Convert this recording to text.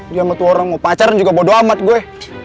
dia sama tuh orang mau pacaran juga bodoh amat gue